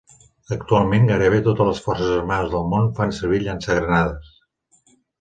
Actualment, gairebé totes les Forces armades del Món fan servir llançagranades.